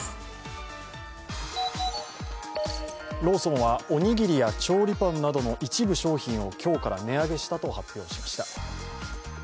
ローソンは、おにぎりや調理パンなどの一部商品を今日から値上げしたと発表しました。